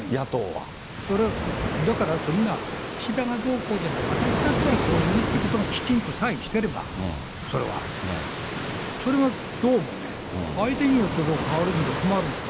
それは、だからそんな、岸田がどうこうじゃない、私だったらこうやるということが、きちんとさえしてれば、それは、それがどうもね、相手によって変わるんじゃ困るんですよ。